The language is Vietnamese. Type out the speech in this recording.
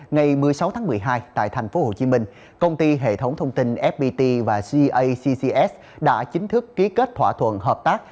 ngày một mươi sáu tháng một mươi hai tại tp hcm công ty hệ thống thông tin fpt và gacs đã chính thức ký kết thỏa thuận hợp tác